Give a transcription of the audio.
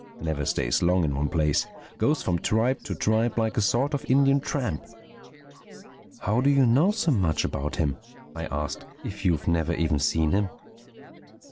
Never stays long in one place. Goes from tribe to tribe, like a sort of Indian tramp." "How do you know so much about him?" I asked—"if you've never even seen him?"